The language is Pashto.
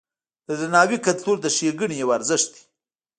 د درناوي کلتور د ښېګڼې یو ارزښت دی.